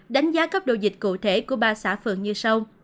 đánh giá cấp độ dịch cụ thể của ba xã phường như sau